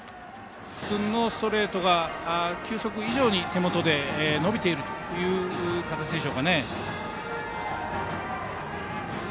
ストレートが球速以上に手元で伸びているという形でしょうか。